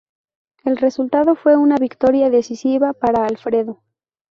El resultado fue una victoria decisiva para Alfredo.